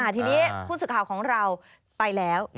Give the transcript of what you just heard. ทีนี้ผู้สื่อข่าวของเราไปแล้ว